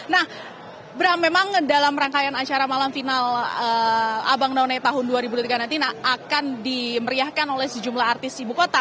nah bram memang dalam rangkaian acara malam final abang none tahun dua ribu dua puluh tiga nanti akan dimeriahkan oleh sejumlah artis ibu kota